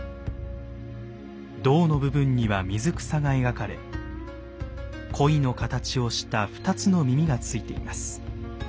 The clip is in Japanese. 胴の部分には水草が描かれ鯉の形をした２つの耳が付いています。